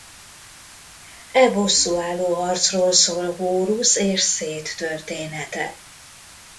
E bosszúálló harcról szól Hórusz és Széth története.